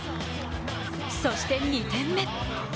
そして２点目。